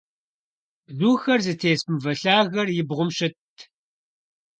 Бзухэр зытес мывэ лъагэр и бгъум щытт.